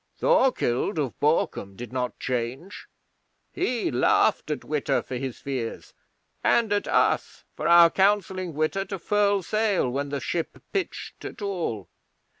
Thorkild of Borkum did not change. He laughed at Witta for his fears, and at us for our counselling Witta to furl sail when the ship pitched at all.